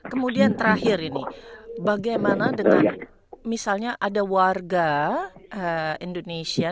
kemudian terakhir ini bagaimana dengan misalnya ada warga indonesia